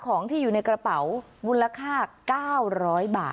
ของที่อยู่ในกระเป๋ามูลค่า๙๐๐บาท